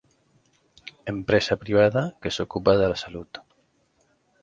Empresa privada que s'ocupa de la salut.